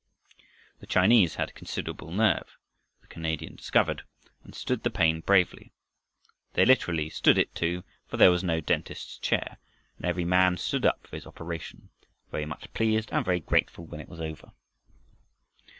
The Chinese had considerable nerve, the Canadian discovered, and stood the pain bravely. They literally "stood" it, too, for there was no dentist's chair and every man stood up for his operation, very much pleased and very grateful when it was over.